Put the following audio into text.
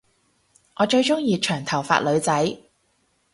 我最鐘意長頭髮女仔